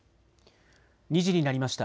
２時になりました。